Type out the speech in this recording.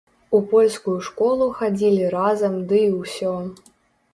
У польскую школу хадзілі разам ды і ўсё.